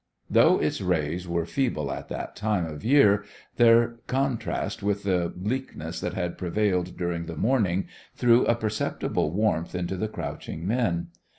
Though its rays were feeble at that time of year, their contrast with the bleakness that had prevailed during the morning threw a perceptible warmth into the crouching men.